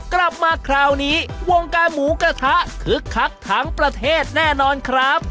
กลับมาคราวนี้วงการหมูกระทะคึกคักทั้งประเทศแน่นอนครับ